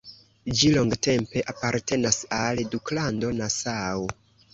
Ĝi longtempe apartenas al Duklando Nassau.